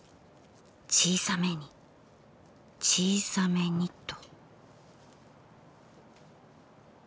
小さめに小さめにと。